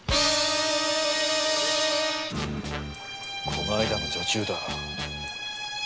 この間の女中だ。